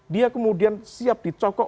dia kemudian siap dicokok